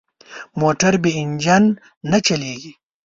موټر بې انجن نه چلېږي.